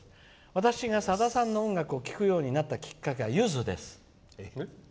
私がさださんの音楽を聴くようになったきっかけはゆずです。